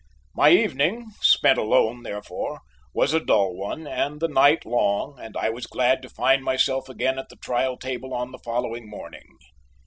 My evening spent alone therefore was a dull one and the night long, and I was glad to find myself again at the trial table on the following morning.